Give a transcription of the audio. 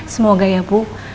semoga ya bu